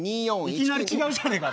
いきなり違うじゃねえか！